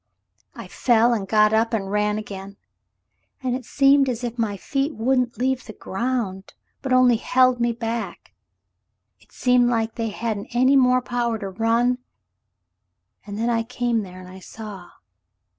"I fell doT\Ti and got up and ran again ; and it seemed as if my feet wouldn't leave the ground, but only held me back. It seemed like they hadn't any more power to run — and — then I came there and I saw."